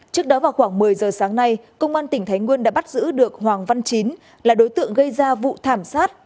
trước đó vào khoảng một mươi giờ sáng nay công an tỉnh thái nguyên đã bắt giữ được hoàng văn chín là đối tượng gây ra vụ thảm sát